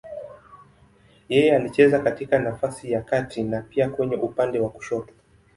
Yeye alicheza katika nafasi ya kati na pia kwenye upande wa kushoto.